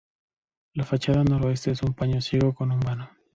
La fachada noroeste es un paño ciego con un vano.